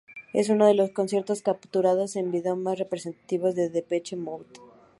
Es uno de los conciertos capturados en video más representativos de Depeche Mode.